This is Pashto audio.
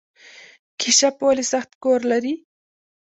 کیشپ ولې سخت کور لري؟